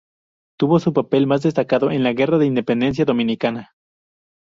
Tuvo su papel más destacado en la guerra de independencia dominicana.